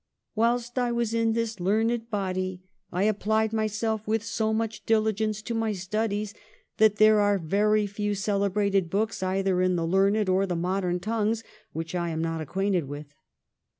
* Whilst I was in this learned body, I applied myself with so much diligence to my studies, that there are very few celebrated books, either in the learned or the modern tongues, which I am not acquainted with.'